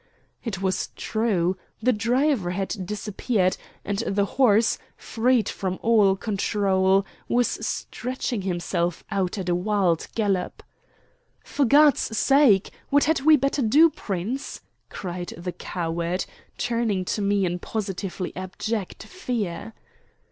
It was true. The driver had disappeared, and the horse, freed from all control, was stretching himself out at a wild gallop. "For God's sake, what had we better do, Prince?" cried the coward, turning to me in positively abject fear.